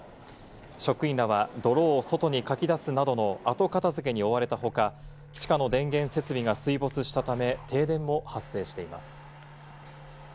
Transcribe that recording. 職員らは、泥を外にかき出すなどのあと片づけに追われたほか、地下の電源設備が水没したため、停電も発生しています。